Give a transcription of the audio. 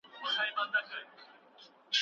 خپل مکلفیتونه وپېژنئ.